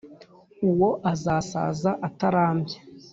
uwo azasaza atarambye,